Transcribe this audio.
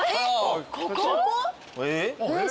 ここ？